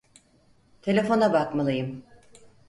Telefona bakmalıyım.